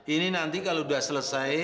ini nanti kalau sudah selesai